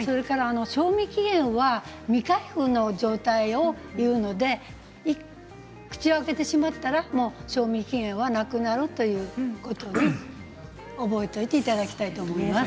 賞味期限は未開封の状態を言うので口を開けてしまったら賞味期限がなくなるということを覚えておいていただきたいと思います。